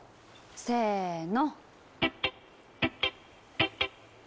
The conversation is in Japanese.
せの！